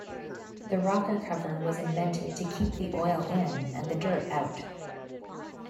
The rocker cover was invented to keep the oil in and the dirt out.